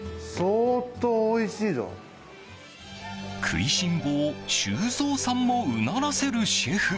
食いしん坊、修造さんもうならせるシェフ。